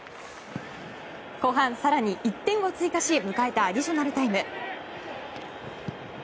後半、更に１点を追加し迎えたアディショナルタイム。